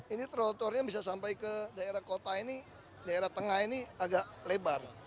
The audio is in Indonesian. ini trotoarnya bisa sampai ke daerah kota ini daerah tengah ini agak lebar